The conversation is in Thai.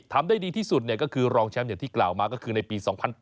ทำได้ดีที่สุดก็คือรองแชมป์อย่างที่กล่าวมาก็คือในปี๒๐๐๘